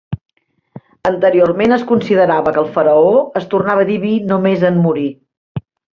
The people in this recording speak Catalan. Anteriorment es considerava que el faraó es tornava diví només en morir.